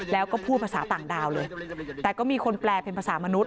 แล้วก็พูดภาษาต่างดาวเลยแต่ก็มีคนแปลเป็นภาษามนุษ